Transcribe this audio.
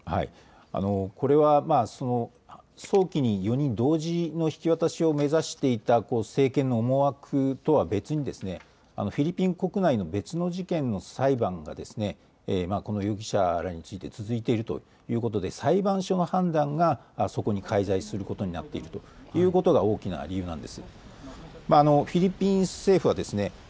これは、早期に４人同時の引き渡しを目指していた政権の思惑とは別にフィリピン国内の別の事件の裁判が容疑者らに続いているということで、裁判所の判断に、そこに滞在するということになっているのが大きな理由になっています。